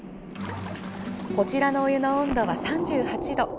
こちらのお湯の温度は３８度。